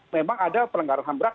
memang ada perlenggaran hambrah